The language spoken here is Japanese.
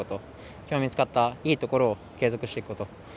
きょう見つかったいいところを継続していくこと。